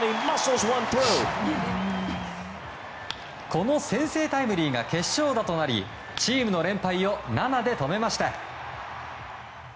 この先制タイムリーが決勝打となりチームの連敗を７で止めました。